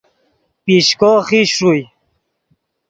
پیشکو خیش ݰوئے